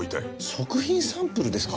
食品サンプルですか！？